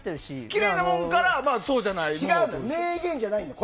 きれいなものからそうじゃないものに。